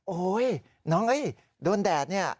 โอ้โหน้องเอ้ยโดนแดดเนี่ย